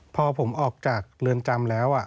พอผมออกจากเรือนจำแล้ว